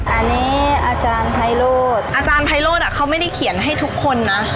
อันนี้อาจารย์ไพโรธอาจารย์ไพโรธเขาไม่ได้เขียนให้ทุกคนนะ